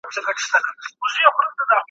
د قوانینو ژبه څنګه ټاکل کیږي؟